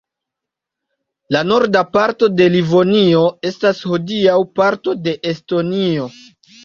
La norda parto de Livonio estas hodiaŭ parto de Estonio.